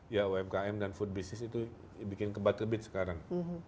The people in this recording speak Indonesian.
ya umkm dan food business itu bikin kebat kebit sekarang